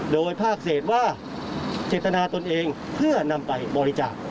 โดยภาคเศษว่าเจตนาตนเองเพื่อนำไปบริจาค